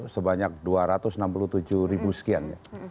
sebanyak dua ratus enam puluh tujuh ribu sekian